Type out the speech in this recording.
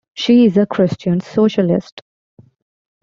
She is a Christian Socialist.